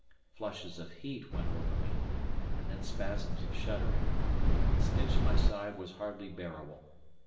Flushes of heat went over me, and then spasms of shuddering. The stitch in my side was hardly bearable.